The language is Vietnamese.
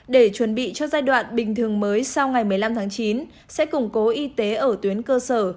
để chuẩn bị cho giai đoạn bình thường mới sau ngày một mươi năm tháng chín sẽ củng cố y tế ở tuyến cơ sở